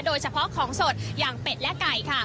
โดยเฉพาะของสดอย่างเป็ดและไก่ค่ะ